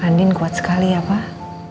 andin kuat sekali ya pak